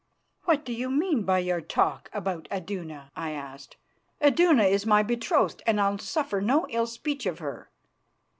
"What do you mean by your talk about Iduna?" I asked. "Iduna is my betrothed, and I'll suffer no ill speech of her."